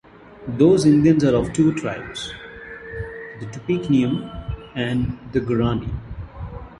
Those Indians are of two tribes: the Tupiniquim and the Guarani.